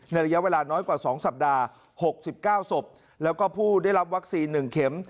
ในระยะเวลาน้อยกว่าสองสัปดาห์หกสิบเก้าสบแล้วก็ผู้ได้รับวัคซีนหนึ่งเข็ม